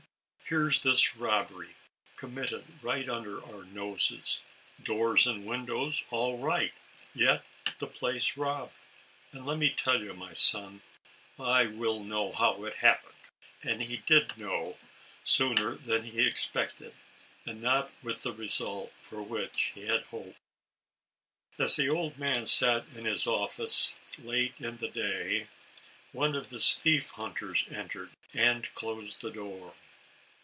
Here's this robbery, commit ted right under our noses— doors and windows all right, yet the place robbed; and, le' me tell you, my son, I will know how it happened." And he did know, sooner than he expected, and not with the result for which he had hoped. As the old man sat in his office, late in the day, one of his thief hunters entered, and closed the door.